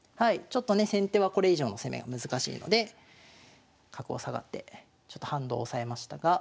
ちょっとね先手はこれ以上の攻めが難しいので角を下がってちょっと反動を抑えましたが。